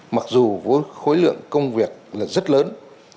mặc dù khối lượng công việc rất lớn